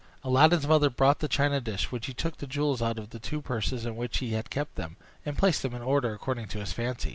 Aladdin's mother brought the china dish, when he took the jewels out of the two purses in which he had kept them, and placed them in order according to his fancy.